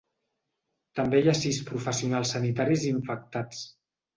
També hi ha sis professionals sanitaris infectats.